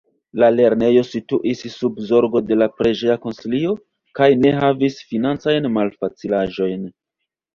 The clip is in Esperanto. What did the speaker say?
La lernejo situis sub zorgo de la preĝeja konsilio kaj ne havis financajn malfacilaĵojn.